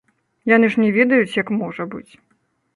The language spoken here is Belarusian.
Яны ж не ведаюць, як можа быць.